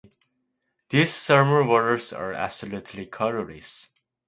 These thermal waters are absolutely colorless.